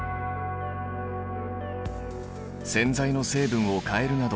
洗剤の成分を変えるなど